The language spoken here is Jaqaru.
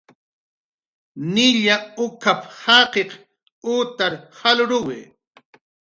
"Nilla uk""p"" jaqiq utar jalruwi"